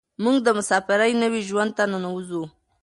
موږ د مساپرۍ نوي ژوند ته ننوځو.